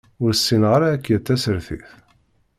Ur ssineɣ ara akya tasertit.